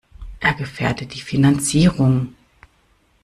Er gefährdet die Finanzierung.